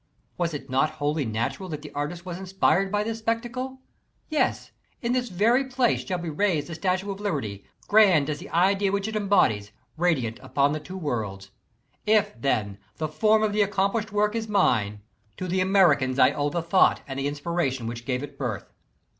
Was it not wholly natural that the artist was inspired by this spectacle? Yes, in this very place shall be raised the Statue of Liberty, grand as the idea which it embodies, radiant upon the two worlds. If, tlien, the form of the accomplished work is mine, to the Americans I owe the thought and the inspiration which gave it birth.